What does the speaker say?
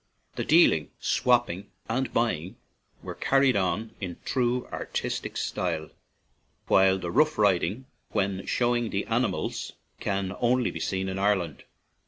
The dealing, "swapping," and buying were 118 LIMERICK carried on in true artistic style, while the rough riding when showing the animals can only be seen in Ireland.